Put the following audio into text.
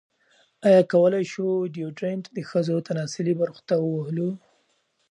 ایا کولی شو ډیوډرنټ د ښځو تناسلي برخو ته ووهلو؟